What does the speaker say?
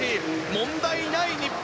問題ない日本。